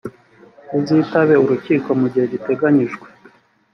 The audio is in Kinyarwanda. uzitabe urukiko mu gihe giteganyijwe